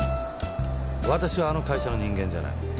わたしはあの会社の人間じゃない。